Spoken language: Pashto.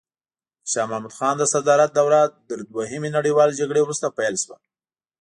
د شاه محمود خان د صدارت دوره تر دوهمې نړیوالې جګړې وروسته پیل شوه.